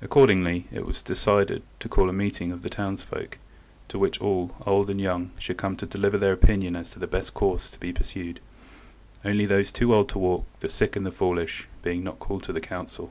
Accordingly it was decided to call a meeting of the townsfolk, to which all, old and young, should come to deliver their opinion as to the best course to be pursued, only those too old to walk, the sick, and the foolish, being not called to the council.